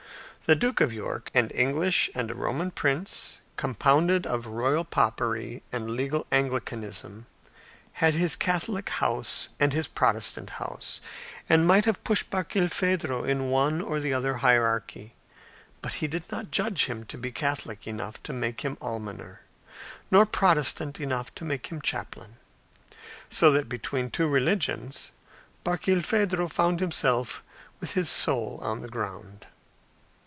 The Duke of York, an English and a Roman prince, compounded of royal Popery and legal Anglicanism, had his Catholic house and his Protestant house, and might have pushed Barkilphedro in one or the other hierarchy; but he did not judge him to be Catholic enough to make him almoner, or Protestant enough to make him chaplain. So that between two religions, Barkilphedro found himself with his soul on the ground.